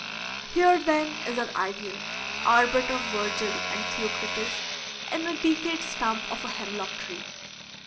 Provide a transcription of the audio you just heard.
Here then is our idyl, our bit of Virgil and Theocritus, in a decayed stump of a hemlock tree.